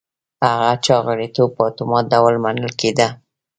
هغه چا غړیتوب په اتومات ډول منل کېده